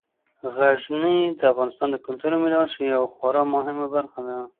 غزني د افغانستان د کلتوري میراث یوه خورا مهمه برخه ده.